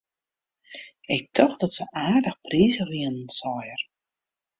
Ik tocht dat se aardich prizich wienen, sei er.